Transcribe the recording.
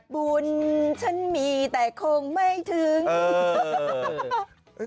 บุญฉันมีแต่คงไม่ถึง